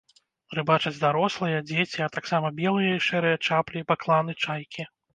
Рыбачаць дарослыя, дзеці, а таксама белыя і шэрыя чаплі, бакланы, чайкі.